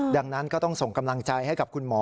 ดังนั้นก็ต้องส่งกำลังใจให้กับคุณหมอ